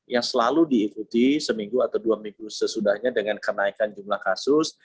yang selalu diikuti seminggu atau dua minggu sesudahnya dengan kenaikan jumlah kasus